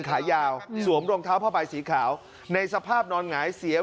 ขายาวสวมรองเท้าผ้าใบสีขาวในสภาพนอนหงายเสียม